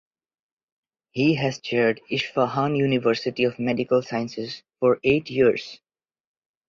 He has chaired Isfahan University of Medical Sciences for eight years.